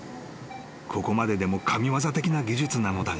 ［ここまででも神業的な技術なのだが］